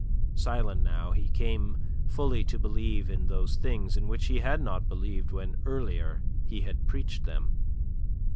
Silent now, he came fully to believe in those things in which he had not believed when earlier he had preached them.